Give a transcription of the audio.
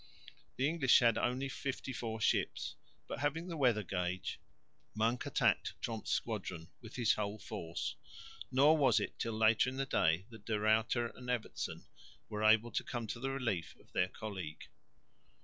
The English had only fifty four ships, but having the weather gauge Monk attacked Tromp's squadron with his whole force; nor was it till later in the day that De Ruyter and Evertsen were able to come to the relief of their colleague.